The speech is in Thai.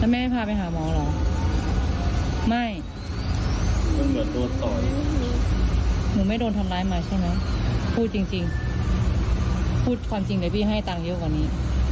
มันไม่โดนทำร้ายมาใช่มั้ยพูดจริงพูดความจริงเดี๋ยวพี่ให้ตังค์เยอะกว่านี้